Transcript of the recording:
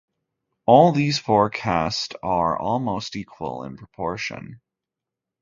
All these four caste are almost equal in proportion.